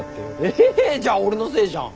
えじゃあ俺のせいじゃん！